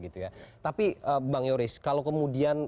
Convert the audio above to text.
tapi bang yoris kalau kemudian